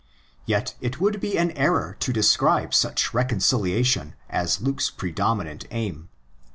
Yet it would be an error to describe such reconciliation as Luke's predominant aim.